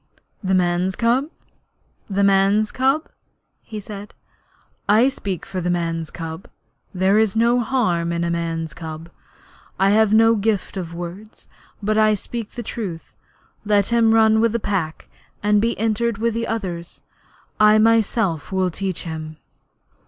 'The man's cub the man's cub?' he said. 'I speak for the man's cub. There is no harm in a man's cub. I have no gift of words, but I speak the truth. Let him run with the Pack, and be entered with the others. I myself will teach him.'